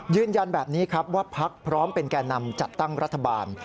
ยืนยันแบบนี้ครับว่าพักพร้อมเป็นแก่นำจัดตั้งรัฐบาล